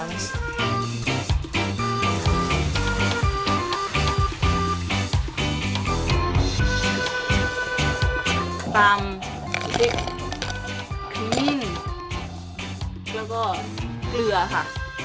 ตามพริกครีมมิ้นแล้วก็เกลือค่ะ